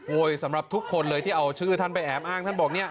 โวยสำหรับทุกคนเลยที่เอาชื่อท่านไปแอบอ้าง